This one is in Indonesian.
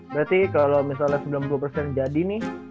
berarti kalau misalnya sembilan puluh persen jadi nih